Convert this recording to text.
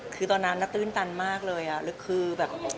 คือตอนนั้นตื้นตันมากเลยอะ